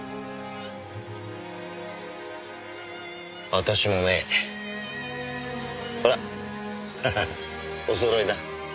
私もねほらおそろいだ。